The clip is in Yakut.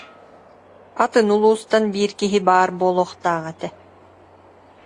Атын улуустан биир киһи баар буолуохтаах этэ